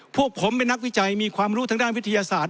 พวกผมเป็นนักวิจัยมีความรู้ทางด้านวิทยาศาสตร์